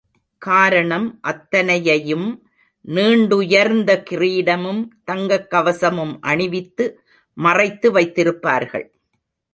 காரணம் அத்தனையையும் நீண்டுயர்ந்த கிரீடமும், தங்கக் கவசமும் அணிவித்து மறைத்து வைத்திருப்பார்கள்.